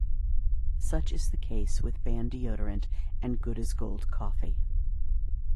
Such is the case with Ban Deodorant and Good as Gold Coffee.